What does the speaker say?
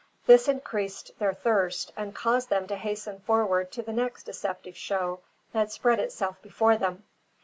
This increased their thirst, and caused them to hasten forward to the next deceptive show that spread itself before them.